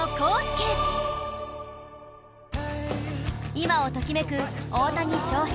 今をときめく大谷翔平